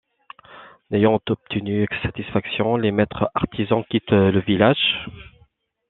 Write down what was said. N'ayant obtenu satisfaction, les maîtres-artisans quittent le village.